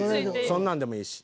そんなんでもいいし。